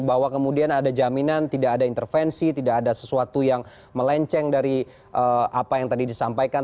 bahwa kemudian ada jaminan tidak ada intervensi tidak ada sesuatu yang melenceng dari apa yang tadi disampaikan